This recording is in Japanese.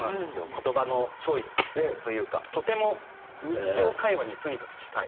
言葉のチョイスというかとても日常会話にとにかく近い。